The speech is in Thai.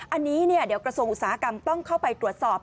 อันนี้เดี๋ยวกระทรวงอุตสาหกรรมต้องเข้าไปตรวจสอบ